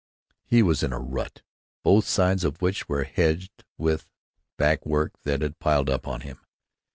He was in a rut, both sides of which were hedged with "back work that had piled up on him."